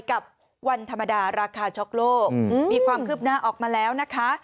กับวันธรรมดาราคาช็อกโลกมีความคืบหน้าออกมาแล้วนะคะ